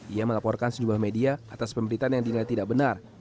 ia melaporkan sejumlah media atas pemberitaan yang dinilai tidak benar